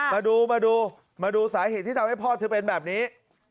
มาดูมาดูสาเหตุที่ทำให้พ่อเธอเป็นแบบนี้